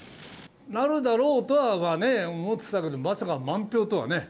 なるだろうとはね、思ってたけど、まさか満票とはね。